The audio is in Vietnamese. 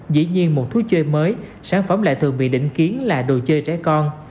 dĩ nhiên một thú chơi mới sản phẩm lại thường bị định kiến là đồ chơi trẻ con